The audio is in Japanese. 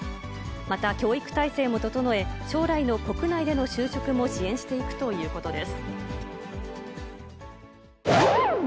また、教育体制も整え、将来の国内での就職も支援していくということです。